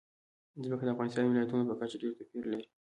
ځمکه د افغانستان د ولایاتو په کچه ډېر توپیر لري.